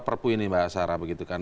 perpuih nih mbak sarah begitu kan